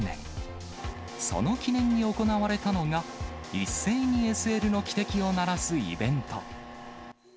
その記念に行われたのが、一斉にＳＬの汽笛を鳴らすイベント。